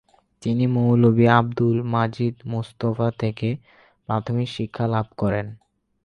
তিনি মৌলভী আব্দুল মাজিদ মুস্তফা থেকে প্রাথমিক শিক্ষা লাভ করেন।